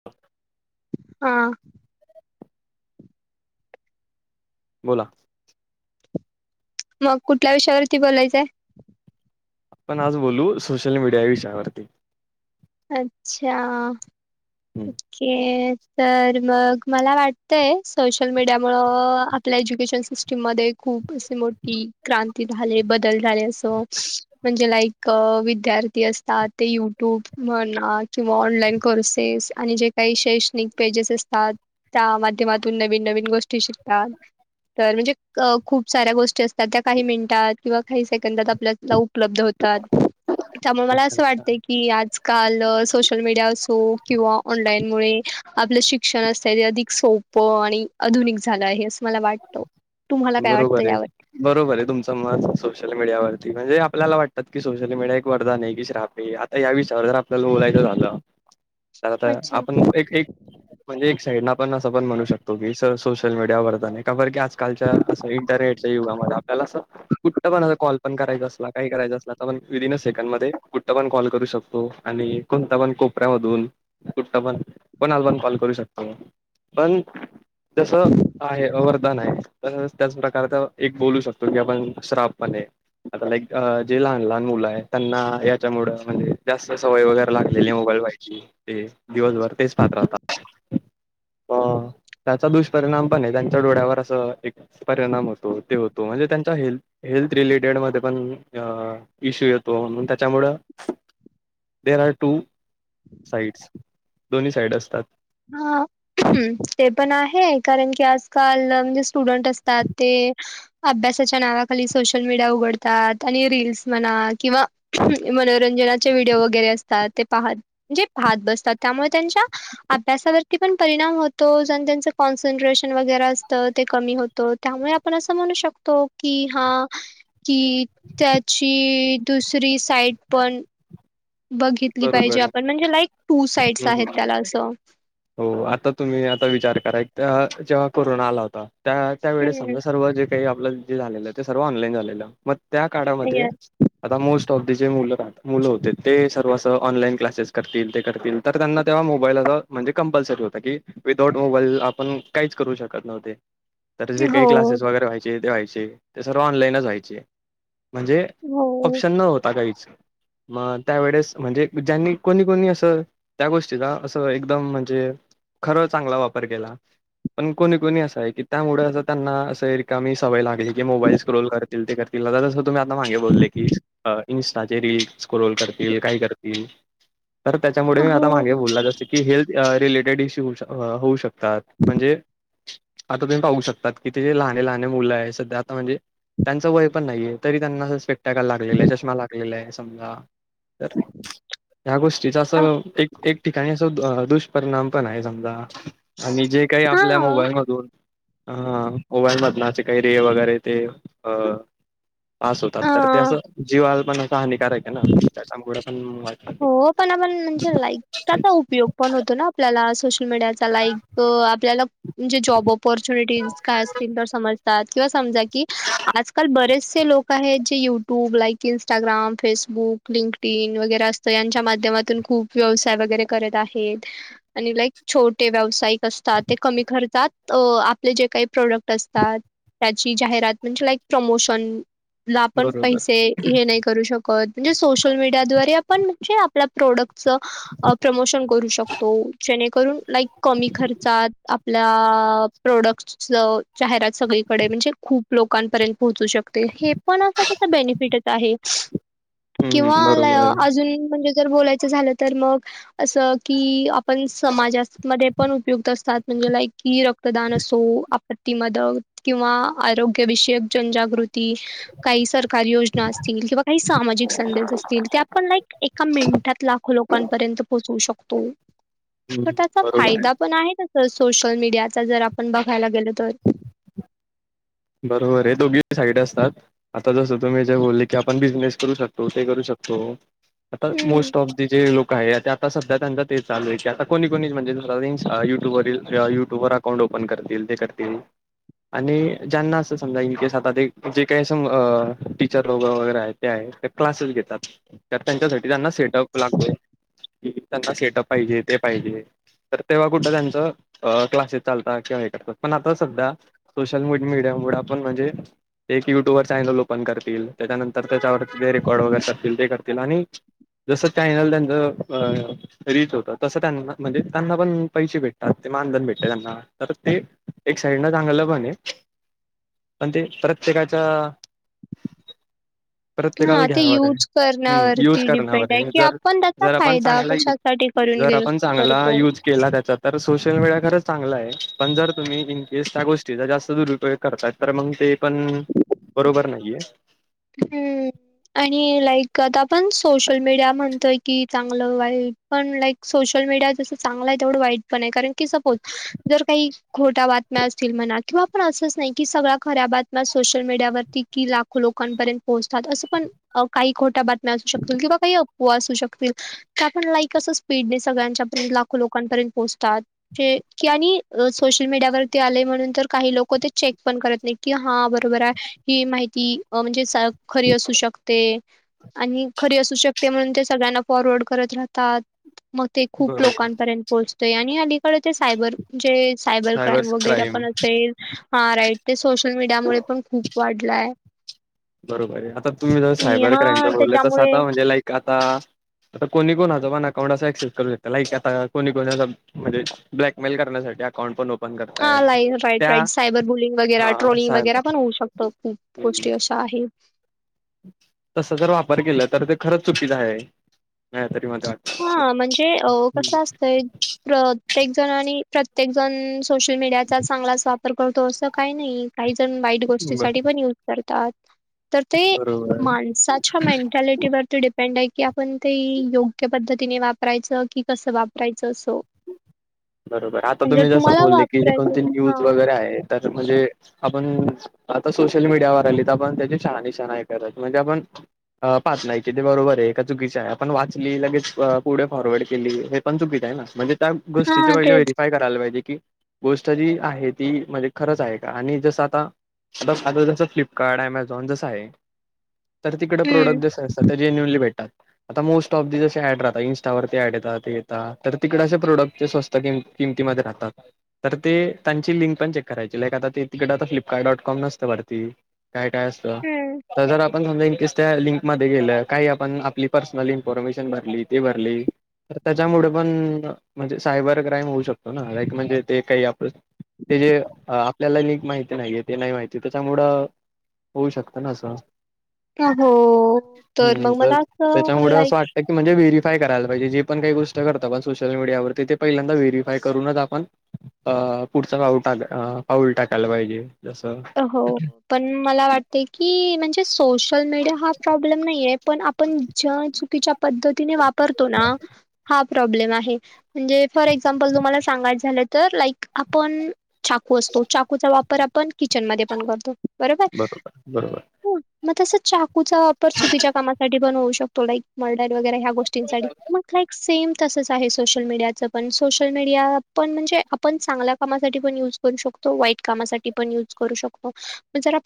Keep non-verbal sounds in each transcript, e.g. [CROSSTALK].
[INAUDIBLE] हा, बोला. मग कुठल्या विषयावरती बोलायचंय. आपण आज बोलू सोशल मीडिया या विषयावरती. अच्छा हं. ओके. तर मग मला वाटतय सोशल मीडियामुळ आपल्या एज्युकेशन सिस्टीममध्ये खूप. असे मोठी क्रांती झाले बदल झाले असं म्हणजे लाईक विद्यार्थी अस. ता ते युट्यूब म्हणा किंवा ऑनलाईन कोर्सेस. आणि जे काही शैक्षणिक पेजेस असतात त्या माध्यमातून नवीन नवीन गोष्टी शिकतात. तर म्हणजे क खूप साऱ्या गोष्टी असतात त्या काही मिनिटात किंवा काही सेकंदात आपल्याला उपलब्ध होत. तात त्यामुळे मला अच्छा असं अच्छा. वाटत की, आजकाल सोशल मीडिया असो किंवा! ऑनलाईन मुळे आपलं शिक्षण असत ते अधिक सोपं आणि आधुनिक झालं आहे अस मला वाटतो तुम्हाला काय वाटतं बरोबर आहे. यावर? बरोबर आहे तुमचं मत सोशल मीडियावरती म्हणजे आपल्याला वाटतात की सोशल मीडिया एक वरदान आहे की श्राप आहे या विषयावर जर आपल्याला बोलायचं झालं तर आता अच्छा आपण एक एक म्हणजे एक साईड ना पण असं पण म्हणू शकतो की स सोशल मीडिया वरदान आहे. [UNINTELLIGIBLE] की आजकालच्या असं इंटरनेटच्या युगामध्ये आपल्याला असं कुठ पण अस कॉल पण करायचा असला काही करायचा असला तर पण विदिन अ सेकंड मध्ये कुठ पण कॉल करू शकतो आणि कोणता पण कोपऱ्यामधून, कुठ पण, कोणाला पण कॉल करू शकतो. पण तस आहे वर दान आहे तर तसंच त्याच प्रकारचा एक बोलू शकतो की आपण श्राप पण आहे. आता लाईक जे लहान लहान मुलं आहे त्यांना याच्यामुळ म्हणजे जास्त सवय वगैरे लागलेली मोबाईल पहायची ते दिवसभर तेच पाहत राहतात. अ त्याचा दुष्परिणाम पण आहे त्यांच्या डोळ्यावर असं एक परिणाम होतो ते होतो म्हणजे त्यांचा हेल्थ हेल्थ रिलेटेड मध्ये पण अ इश्यू येतो म्हणून त्याच्यामुळं देर आर टू साइड्स दोन्ही साईड असतात. अ ते पण आहे कारण की आजकाल म्हणजे स्टुडंट असतात ते अभ्यासाच्या नावाखाली सोशल मीडिया उघडतात आणि रीलस म्हणा किंवा मनोरंजनाचे व्हिडिओ वगैरे अस ते पाहत म्हणजे पाहत बसतात त्यामुळ त्यांच्या अभ्यासावरती पण परिणाम होतो जण त्यांच कॉन्सन्ट्रेशन वगैरे असतं ते कमी होत. त्यामुळ आपण असं म्हणू शकतो कि हा कि त्याची दुसरी साईड पण बघितली बरोबर पाहिजे आहे. आपण म्हणजे लाईक टू साईड्स हम्म आहेत हम्म. त्याला असं. हो आता तुम्ही आता विचार कराय जेव्हा कोरोना आला होता. त्या त्या वेळेस हम्म समजा सर्व जे काही आपलं जे झालेलं ते सर्व ऑनलाईन झालेलं मग त्या काळामध्ये आता मोस्ट ऑफ द जे मुलं मुलं होते ते सर्व ऑनलाईन क्लासेस करतील ते करतील तर त्यांना तेव्हा मोबाईल अस म्हणजे कंपल्सरी होतां की विदाउट मोबाईल आपण काहीच करू शकत नव्हते. तर जे हो काही क्लासेस वगैरे व्हायचे ते व्हायचे ते सर्व ऑनलाईनच व्हायचे. म्हणजे हो ऑप्शन नव्हता काहीच मग त्यावेळेस म्हणजे ज्यांनी कोणी कोणी असं त्या गोष्टीला असं एकदम म्हणजे खरं चांगला वापर केला. पण कोणी कोणी असं आहे की त्यामुळे असं त्यांना असं रीकामी सवय लागली की मोबाईल स्क्रोल करत करतील ते करतील आता तस तुम्ही आता मागे बोलले की इन्स्टाचे रील स्क्रोल करतील काय करतील. तर त्याच्यामुळे मी आता हो मागे बोलला जसं की हेल्थ रिलेटेड इश्यू होऊ शकतो. म्हणजे आता तुम्ही पाहू शकतात कि ते जे लहने लहने मुलं आहे सध्या आता म्हणजे त्यांचं वय पण नाहीये तरी त्यांना स्पेट्याग लागलेलं आहे, चष्मा लागलेला आहे समजा तर ह्या गोष्टीच अस अ, एक एक ठिकाणी असं दु परिणाम पण हाय समजा आणि जे काही हा आपल्या मोबाईल मधून अ मोबाईल मधन असे [UNINTELLIGIBLE] वगैरे ते अ पास होतात तर ते अ असं जीवालपण हानिकारक आहे ना त्याच्यामुड पण वाट हो पण आपण म्हणजे लाईकचा, उपयोग पण होतो ना आपल्यालाच सोशल मीडियाचा लाईक अ आपल्याला म्हणजे जॉब ऑपॉर्च्युनिटीज काय असतील तर समज तात, किंवा समजा की आजकाल बरेचसे लोक आहेत जे YouTube like Instagram, Facebook, LinkedIn वगैरा तर यांच्या माध्यमातून खूप व्यवसाय वगैरे करत आहेत. आणि लाईक छोटे व्यावसायिक असतात ते कमी खर्चात अ आपले जे काही प्रोडक्ट असतात त्याची जाहिरात म्हणजे लाईक प्रमोशन, ला पण बरोबर पैसे हे नाही करू शक कत म्हणजे सोशल मीडियाद्वारे आपण म्हणजे आपल्या प्रोडक्टच प्रमोशन करू शकतो जेणेकरून लाईक कमी खर्चात आपला प्रोडक्ट्स जाहिरात सगळीकडे म्हणजे खूप लोकांपर्यंत पोहोचू शकते हे पण अस बेनिफिटच आहे. किंवा हम्म ला बरोबर आहे अजून म्हणजे जर बोलायचं झालं तर मग अस की आप पण समाजात मध्ये पण उपयुक्त असतात म्हणजे लाईक की रक्तदान असो आपत्ती मदत. किंवा आरोग्याविषयक जनजागृती. काही सरकारी योजना असतील किंवा काही सामाजिक संदेश असतील त्या पण लाईक एका मिनिटात लाखो लोकांपर्यंत पोहचवू शकतो. तर हम्म, त्याचा बरोबर आहे. फायदा पण आहे तसच सोशल मीडियाचा जर आपण बघायला गेलो तर. बरोबर हे, दोघी साईड असतात. आता जसं तुम्ही जे बोलले की आपण बिझनेस करू शकतो ते करू शकतो, आता हम्म मोस्ट ऑफ जे लोक आहे ते आता सध्या त्यांचा ते चालू आहे की आता कोणी, कोणी म्हणजे जस रेंज युट्यूबवरील युट्यूबर अकाउंट ओपन करतील ते करतील, आणि ज्यांना असं समजा इनकेस आता ते जे काही असं म टीचर लोक वगैरे आहे ते आहे ते क्लासेस घेतात. तर त्यांच्यासाठी त्यांना सेटअप लागतोय कि त्यांना सेटअप पाहिजे ते पाहिजे. तर तेव्हा कुठं त्यांच अ क्लासेस चालतात किंवा हे करतात पण आता सध्या सोशल मीड मीडियामुड आपण म्हणजे एक युट्यूब वर चॅनल ओपन करतील त्याच्यानंतर त्याच्यावरती जे रेकॉर्ड वगैरे करतील ते करतील आणि जसं चॅनल त्यांचं अ रीत होत तसं त्यांना म्हणजे त्यांना पण पैसे भेटतात ते मानधन भेटत त्यांना तर ते एक साईड ना चांगलं पण हे. पण ते प्रत्येकाच्या प्रत्येकाला हा ते घ्यावर आहे, यूज हम्म युज करण्यावरती करण्यावर डिपेंड आहे की जर, आपण त्याचा जर आपण फायदा चांगला युज कशासाठी करून जर घे आपण चांगला करतो यूज केला त्याचा तर सोशल मीडिया खरच चांगला आहे, पण जर तुम्ही इनकेस त्या गोष्टीचा जास्त दरूप योग करताय तर मंग ते पण बरोबर नाहीये. हम्म आणि लाईक आता पण सोशल मीडिया म्हणतोय की चांगलं वाईट पण लाईक सोशल मीडिया जस चांगलं आहे तेवढं वाईट पण आहे कारण की सपोज जर काही खोट्या बातम्या असतील म्हणा किंवा पण असंच नाही की सगळ्या खऱ्या बातम्या सोशल मीडियावरती कि लाखो लोक कानपर्यंत पोहोचतात असं पण अ काही खोट्या बातम्या असू शकतील किंवा काही अफ़वा असू शकतील. त्या पण लाईक अस स्पीडने सगळ्यांच्या पर्यंत लाखो लोकांपर्यंत पोहोचतात. ते की आणि सोशल मीडियावरती आले म्हणून तर काही लोक ते चेक पण करत नाही. कि हा बरोबर आहे ही माहिती अ म्हणजे सार खरी असू शकते. आणि खरी असू शकते म्हणून ते सगळ्यांना फॉरवर्ड करत राहतात मग ते खूप बरोबर लोकांपर्यंत पोहोचतोय आणि अलीकडे ते सायबर म्हणजे सायबर क्राईम वगैरे पण असेल हा राईट ते सोशल मीडिया मुळे पण खूप वाढलाय आहे. बरोबर आहे आता तुम्ही जर इ- सायबर हा क्राईमच बोलले तस त्याच्यामुळे आता म्हणजे लाईक आता आता कोणी कोणाचा वन अकाउंट असा ऍक्सेस करू शक लाईक आता कोणी कोणाचा म्हणजे ब्लॅकमेल करण्यासाठी अकाउंट पण ओप. हा लाई राईट राईट सायबर बुलिंग वगैरे हा ट्रोलिंग सायबर वगैरे पण होऊ शकतो. गोष्टी अशा आहे. तस जर वापर केला तर ते खरंच चुकीचं आहे. नाही तरी माझा. हा म्हणजे अ कसं असतय प्रत्येक जण आणि प्रत्येक जण सोशल मीडियाचा चांगलाच वापर करतो असं काही नाही काही जण वाईट बर गोष्टीसाठी पण युज करतात तर ते बरोबर माणसाच्या मेंटॅलिटीवरती डिपेंड आहे की आपण ते योग्य योग्य पद्धतीने वापरायचं की कसं वापरायचं असं. बरोबर आता म्हणजे तुम्ही जसं तुम्हाला बोलले की ज वापरायचं कोणती न्यूज हां. वगैरे आहे. तर म्हणजे आपण. आता सोशल मीडियावर आली तर आपण त्याची शाहा -निशा करत म्हणजे आपण पाच नाही कि ते बरोबर आहे का चुकीचे आहे आपण वाचली लगेच पुढे फॉरवर्ड केली हे पण चुकीच आहे ना. म्हणजे त्या गोष्टीचे हां, पहिले तेच. व्हेरीफय करायला पाहिजे की गोष्ट जी आहे ती म्हणजे खरंच आहे का आणि जसं आता आ आ जसं फ्लिपकार्ट अमेझॉन जसं आहे तर तिकडे हं. प्रोडक्ट जस अस जेन्युअली भेटतात आता मोस्ट ऑफ जसे ऍड राहात इंस्टावर ऍड येतात ते येतात. तिकड असे प्रोडक्ट ते स्वस्त कि किमतीमध्ये राहता. तर ते त्यांची लिंक पण चेक करायची लाईक आता ते तिकडडे आता फ्लिपकार्ट डॉट कॉम नसतं भरती. काय काय असतं हं. तर जर आपण समजा इनकेस त्या लिंकमध्ये गेलं काही आपण आपली पर्सनल इन्फॉर्मेशन भरली ते भरली तर त्याच्यामुळे पण म्हणजे सायबर क्राईम होऊ शकतो ना लाक म्हणजे ते काही आपलं ते जे आपल्याला न माहिती नाहीये ते नाही माहिती त्याच्यामुळं होऊ शकतं ना असं हो तर हम्म मग मला असं त्याच्यामुळे लाईक वाटतं म्हणजे व्हेरीफय करायला पाहिजे पण काही गोष्ट करत बस सोशल मीडियावर ते पहिंदा व्हेरीफाय करूनच आपण अ पुढचा पाऊल टाका पाऊल टाकायला पाहिजे. जसं हो पण मला वाटते की म्हणजे सोशल मीडिया हा प्रॉब्लेम नाहीय पण आपण ज चुकीच्या पद्धतीने वापरतो ना हा प्रॉब्लेम आहे म्हणजे फॉर एक्झाम्पल तुम्हाला सांगायच झालं तर लाईक आपण चाकू असतो चाकूचा वापर आपण किचन मध्ये पण करतो बरोबर हो मग तस चाकूचा वापर चुकीच्या कामासाठी पण होऊ शकतो मग लाईक मर्डर वगैरे ह्या गोष्टींसाठी मग लाईक सेम तसंच आहे सोशल मीडियाचं पण सोशल मीडिया पण म्हणजे आपण चांगल्या कामासाठी पण युज करू शकतो वाईट कामासाठी पण युज करू शकतो आपल्या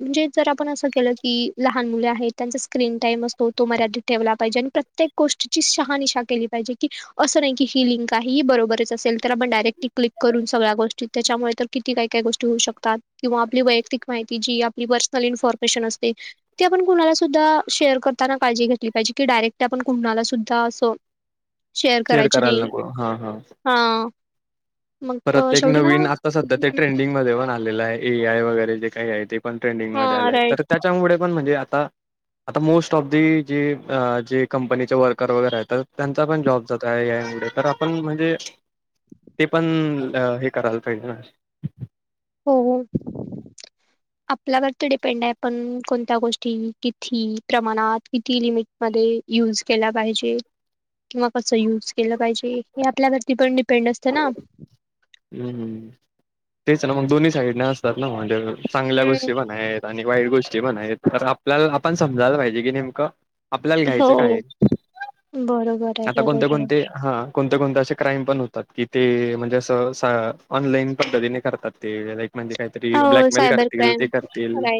म्हणजे आपण के की लहान मुले आहेत त्यांचा स्क्रीन टाइम असतो तो मर्याठीत ठेवला पाहिजे आणि प्रत्येक गोष्टीची शहानिशा केली पाहिजे की असं नाही की ही लिंक आहेही बरोबरच असेल तर आपण डायरेक्टली क्लिक करून सगळ्या गोष्टी. त्याच्यामुळे तर किती काय काय गोष्टी होऊ शक तात किंवा आपली वैयक्तिक माहिती जी आपली पर्सनल इन्फॉर्मेशन असते. ती आपण कुणाला सुद्धा शेअर करताना काळजी घेतली पाहिजे की डायरेक्ट आपण कुणाला सुद्धा असं शेअर करायची करायला नाही नको हां हां हा. मग अ, परत एक शेवटी मला नवीन आत्ता सध्या ते हम्म. ट्रेंडिंग मध्ये पण आलेलं आहे ए आय वगैरे जे काही आहे ते पण ट्रेंडिंग मध्ये हा आलाय राईट तर त्याच्यामुळे पण म्हणजे आता आता मोस्ट ऑफ दि जे अ जे कंपनीचे वर्कर वगैरे आहेत तर त्यांचा पण जॉब जात आहे या ए आय मूळे तर आपण म्हणजे ते पण अ हे करायला पाहिजे ना हो हो. आपल्यावरती डिपेंड आहे आपण कोणत्या गोष्टी किथी प्रमाणात किती लिमिट मध्ये यूज केला पाहिजे किंवा कस यूज केलं पाहिजे हे आपल्यावरती पण डि पेंड असत ना. हम्म हम्म. तेच ना मग दोन्ही साईडने असतात ना म्हणजे चांगल्या हम्म. गोष्टी पण आहेत आणि वाईट गोष्टी पण आहेत तर आपल्याला आपण समजायला पाहिजे की नेमक आपल्याला हो घ्यायचं काय आहे बरोबर आहे आता कोणत बरोबर आहे कोणते हा कोणते कोणते असे क्राईम पण होतात की ते म्हणजे असं स ऑनलाईन पद्धतीने करतात ते लाईक म्हणजे काहीतरी हो ब्लॅकमेल सायबर करतील, क्राईम ते करतील राईट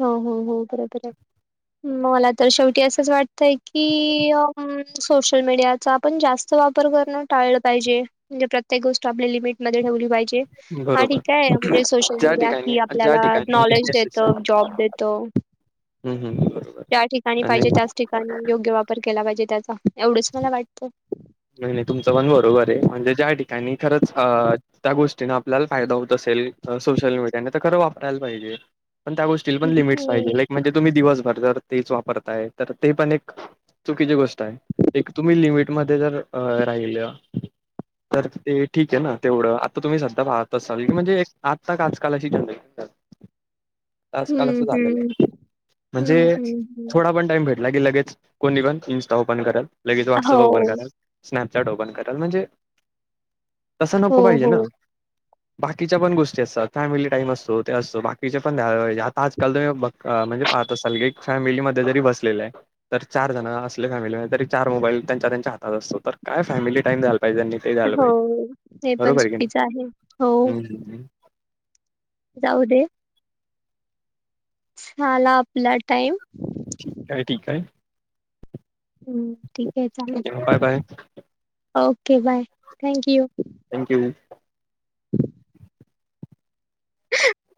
हो हो हो बरोबर आहे. मला तर शेवटी असंच वाटतंय की अं सोशल मीडिया चा आपण जास्त वापर करण टाळलं पाहिजे म्हणजे प्रत्येक गोष्ट आपल्या लिमिटमध्ये ठेवली पाहिजे. हा बरोबर. ठीक आहे म्हणजे सोशल ज्या मीडिया ठिकाणी की ज्या आपल्याला ठिकाणी नॉलेज देतं, जॉब देतो. हम्म हम्म बरोबर. त्या ठिकाणी पाहिजे त्याच ठिकाणी योग्य वापर केला पाहिजे त्याचा एवढंच मला वाटतंय. नाही नाही तुमचं पण बरोबर आहे म्हणजे ज्या ठिकाणी खरच अ त्या गोष्टीन आपल्याला फायदा होत असेल सोशल मीडियाने तर खरं वापरायला पाहिजे पण त्या गोष्टी तील पण लिमिट्स पाहिजे हम्म लाईक म्हणजे तुम्ही दिवसभर जर तेच वापरताय तर ते पण एक चुकीची गोष्ट आहे. एक तुम्ही लिमिट मध्ये जर अ राहिल तर ते ठीक आहे ना तेवढं आता तुम्ही सध्या पाहात असाल की म्हणजे एक आत्ता का आजकाल अशी जनरेशन [INAUDIBLE] आजकाल हम्म असं झालेलं हम्म आहे हम्म म्हणजे हम्म हम्म. थोडा पण टाईम भेटला की लगेच कोणी पण इन्स्टा ओपन करल, लगेच व्हाट्सअप हो ओपन करल स्नॅपचॅट ओपन करल म्हणजे तसं हो नको पाहिजे हो ना. [INAUDIBLE] बाकीच्या पण गोष्टी असतात फॅमिली टाईम असतो ते असतो बाकीचे पण [UNINTELLIGIBLE] आता आजकाल तुम्ही बघ अ म्हणजे पाच साल एक फॅमिली मध्ये जरी बसलेले आहे. तर चारजण असले फॅमिलीमध्ये तरी चार मोबाईल त्यांच्या त्यांच्या हातात असतो तर काय फॅमिली टाइम द्यायला पाहिजे त्यांनी ते द्यायला हो, पाहिजे ते पण बरोबर की चुकीचं आहे हो. नाही हम्म. जाऊदे. झाला आपला टाईम. काय ठीक आहे. हम्म. ठीक आहे चालेल. ठीक आहे. Bye bye okay bye thank you. Thank you. ह